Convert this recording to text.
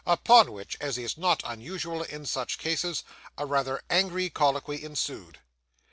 Upon which, as is not unusual in such cases, a rather angry colloquy ensued.